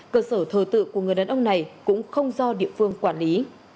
cơ sở thờ tự của người đàn ông này cũng không do địa phương quản lý